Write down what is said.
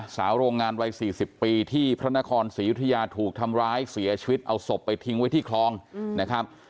สาวโรงงานวัย๔๐ปีที่พระนครศรียุธยาถูกทำร้ายเสียชีวิตเอาศพไปทิ้งไว้ที่คลองนะครับ